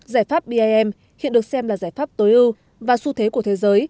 giải pháp bim hiện được xem là giải pháp tối ưu và xu thế của thế giới